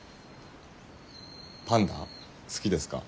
パンダ好きですか？